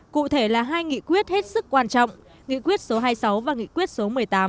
cụ thể là hai nghị quyết hết sức quan trọng nghị quyết số hai mươi sáu và nghị quyết số một mươi tám